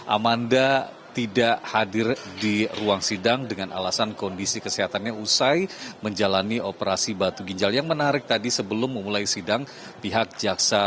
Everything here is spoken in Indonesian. amanda tidak hadir di ruang sidang dengan alasan kondisi kesehatannya usai menjalani operasi batu ginjal yang menarik tadi sebelum memulai sidang pihak jaksa